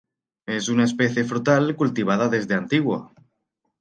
Es una especie frutal cultivada desde antiguo.